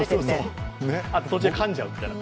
あと、途中でかんじゃう。